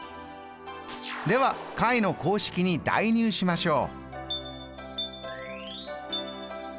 では解の公式に代入しましょう。